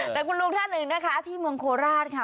แต่คุณลุงท่านหนึ่งนะคะที่เมืองโคราชค่ะ